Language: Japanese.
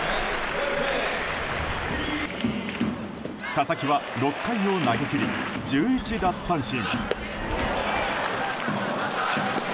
佐々木は６回を投げ切り１１奪三振。